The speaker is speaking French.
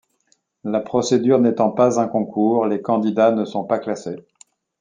La procédure n'étant pas un concours, les candidats ne sont pas classés.